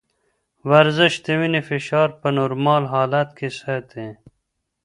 ورزش د وینې فشار په نورمال حالت کې ساتي.